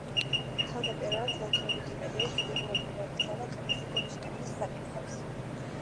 თავდაპირველად ლათინურ ვიკიპედიაში დიდი ყურადღება ექცეოდა კლასიკური ისტორიის საკითხებს.